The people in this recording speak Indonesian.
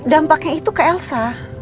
dampaknya itu ke elsa